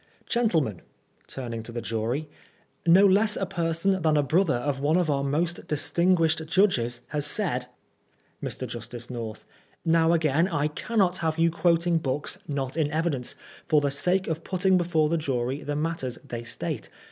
Gentlemen (turning to the jury), no less a person than a brother of one of our most distinguished judges has said Mr. Justice North : Now, again, I cannot have you quoting books not in evidence, for the sake of putting before the jury the matters they state.